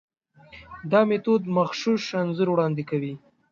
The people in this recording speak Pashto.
دا میتود مغشوش انځور وړاندې کوي.